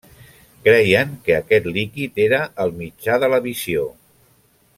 Creien que aquest líquid era el mitjà de la visió.